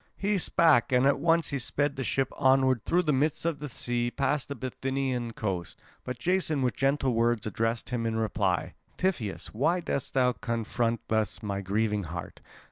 He spake, and at once he sped the ship onward through the midst of the sea past the Bithynian coast. But Jason with gentle words addressed him in reply: "Tiphys, why dost thou comfort thus my grieving heart?